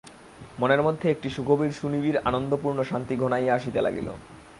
মনের মধ্যে একটি সুগভীর সুনিবিড় আনন্দপূর্ণ শান্তি ঘনাইয়া আসিতে লাগিল ।